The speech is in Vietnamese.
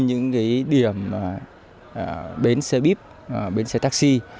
những điểm bến xe bíp bến xe taxi